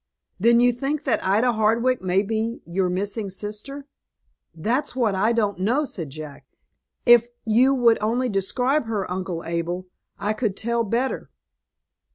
"Then you think that Ida Hardwick may be your missing sister?" "That's what I don't know," said Jack. "If you would only describe her, Uncle Abel, I could tell better."